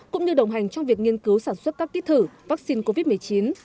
cũng như đồng hành trong việc nghiên cứu sản xuất các ký thử vaccine covid một mươi chín